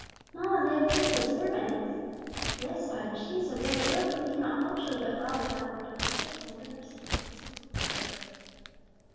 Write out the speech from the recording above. "Mamma, they have plenty of servants" "Yes, Vi, but she is so very ill that we cannot hope she will get well without more careful, tender nursing than any servant would give her."